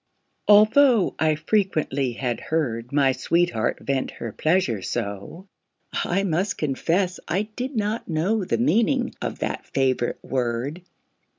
Although I frequently had heard My sweetheart vent her pleasure so, I must confess I did not know The meaning of that favorite word.